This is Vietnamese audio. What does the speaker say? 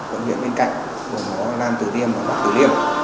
quận huyện bên cạnh quận hóa lan từ liêm và bắc từ liêm